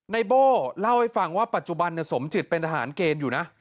โบ้เล่าให้ฟังว่าปัจจุบันสมจิตเป็นทหารเกณฑ์อยู่นะ